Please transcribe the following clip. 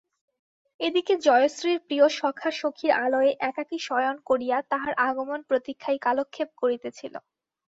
এ দিকে জয়শ্রীর প্রিয় সখা সখীর আলয়ে একাকী শয়ন করিয়া তাহার আগমনপ্রতীক্ষায় কালক্ষেপ করিতেছিল।